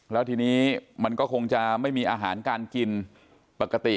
แล้วทีนี้มันก็คงจะไม่มีอาหารการกินปกติ